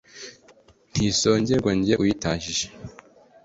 Ntisongerwa jye uyitahije